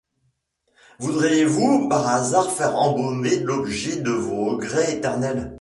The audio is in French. Voudriez-vous par hasard faire embaumer l’objet de vos regrets éternels ?